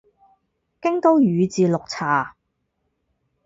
京都宇治綠茶